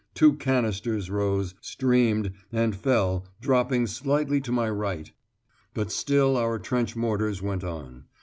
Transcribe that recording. Two canisters rose, streamed, and fell, dropping slightly to my right. But still our trench mortars went on.